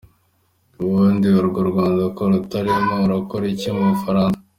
Ubundi urwo Rwanda ko utarurimo urakora iki mu Bufaransa?